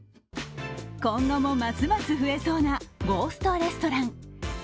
今後もますます増えそうなゴーストレストラン。